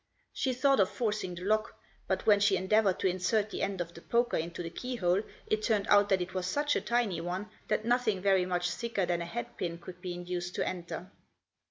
She thought of forcing the lock, but when she endeavoured to insert the end of the poker into the keyhole, it turned out that it was such a tiny one that nothing very much thicker than a hatpin could be induced to enter.